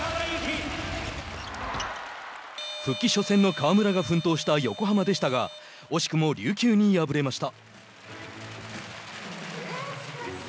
復帰初戦の河村が奮闘した横浜でしたが惜しくも琉球に敗れました。